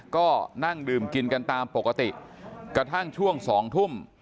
ก็นั่งดื่มกินกันตามปกติกระทั่งช่วง๒ทุ่ม